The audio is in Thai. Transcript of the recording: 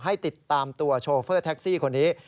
ให้ติดตามตัวโชเฟอร์แท็กซี่คนนี้